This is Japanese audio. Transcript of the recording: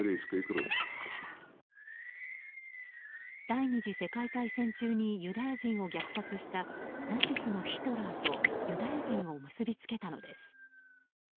第２次世界大戦中にユダヤ人を虐殺したナチスのヒトラーとユダヤ人を結びつけたのです。